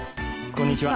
こんにちは。